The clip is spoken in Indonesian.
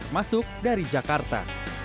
masuk dari jakarta